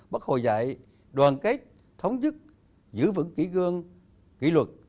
bắt hồi dạy đoàn kết thống dứt giữ vững kỹ gương kỹ luật